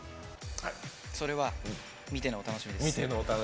それは見てのお楽しみです。